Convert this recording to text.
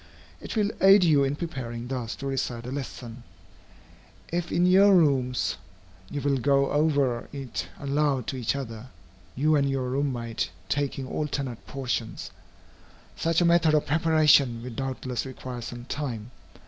It will aid you in preparing thus to recite a lesson, if in your rooms you will go over it aloud to each other, you and your room mate, taking alternate portions. Such a method of preparation will doubtless require some time.